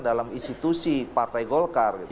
dalam institusi partai golkar